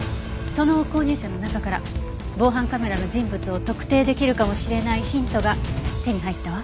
その購入者の中から防犯カメラの人物を特定出来るかもしれないヒントが手に入ったわ。